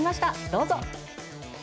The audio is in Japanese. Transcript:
どうぞ。